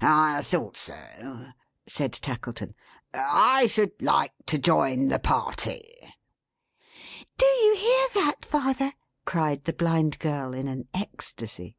"I thought so!" said Tackleton. "I should like to join the party." "Do you hear that, father!" cried the Blind Girl in an ecstacy.